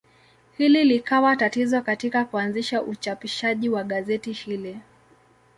Hili likawa tatizo katika kuanzisha uchapishaji wa gazeti hili.